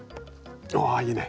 あいいね。